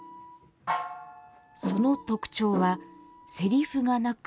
その特徴は、せりふがなく